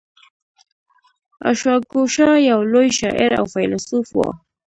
اشواګوشا یو لوی شاعر او فیلسوف و